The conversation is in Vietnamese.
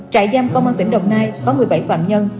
trại giam công an tỉnh đồng nai có một mươi bảy phạm nhân